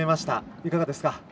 いかがですか。